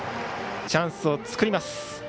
チャンスを作ります。